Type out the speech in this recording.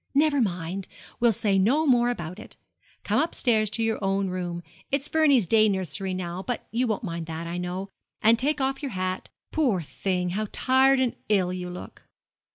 'Never mind. We'll say no more about it. Come upstairs to your own room it's Vernie's day nursery now, but you won't mind that, I know and take off your hat. Poor thing, how tired and ill you look!'